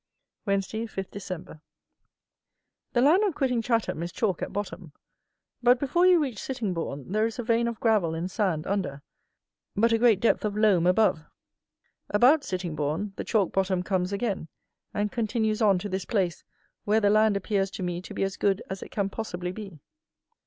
Wednesday, 5 Dec. The land on quitting Chatham is chalk at bottom; but before you reach Sittingbourne there is a vein of gravel and sand under, but a great depth of loam above. About Sittingbourne the chalk bottom comes again, and continues on to this place, where the land appears to me to be as good as it can possibly be.